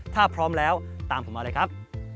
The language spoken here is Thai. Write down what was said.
ถ้าพร้อมแล้วตามผมมาเลยครับ